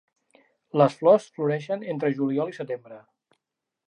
Les flors floreixen entre juliol i setembre.